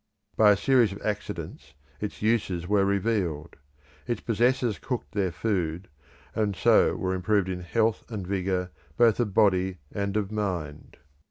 By a series of accidents its uses were revealed. Its possessors cooked their food, and so were improved in health and vigour both of body and of mind.